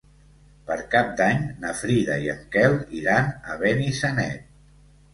Per Cap d'Any na Frida i en Quel iran a Benissanet.